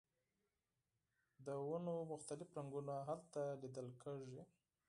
د ونو مختلف رنګونه هلته لیدل کیږي